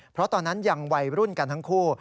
เพราะตอนนั้นยังวัยรุ่นกันทั้งคู่